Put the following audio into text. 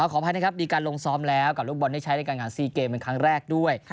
ขออภัยนะครับมีการลงซ้อมแล้วกับลูกบอลที่ใช้ในการงาน๔เกมเป็นครั้งแรกด้วย